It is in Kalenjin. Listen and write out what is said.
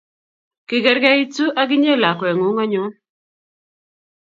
Kikerkeitu ak inye lakweng'ung anyon